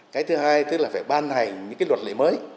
cái thứ hai tức là phải ban hành những cái luật lệ mới